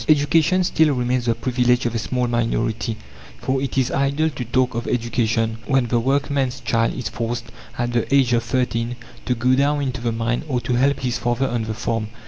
Education still remains the privilege of a small minority, for it is idle to talk of education when the workman's child is forced, at the age of thirteen, to go down into the mine or to help his father on the farm.